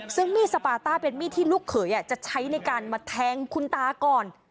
ซึ่งมีดสปาต้าเป็นมีดที่ลูกเขยจะใช้ในการมาแทงคุณตาก่อน